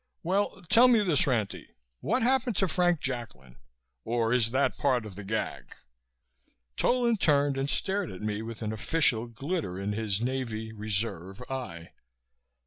"Well, tell me this, Ranty. What happened to Frank Jacklin? Or is that part of the gag?" Tolan turned and stared at me with an official glitter in his Navy (Reserve) eye.